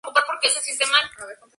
Habita en Estados Unidos.